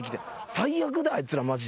最悪だよあいつらマジで。